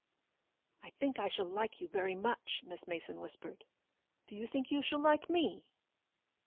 "I think I shall like you very much," Miss Mason whispered. " Do you think you shall like me?"